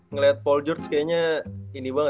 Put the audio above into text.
ngeliat pol george kayaknya ini banget